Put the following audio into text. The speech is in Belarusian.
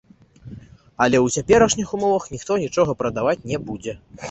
Але ў цяперашніх умовах ніхто нічога прадаваць не будзе.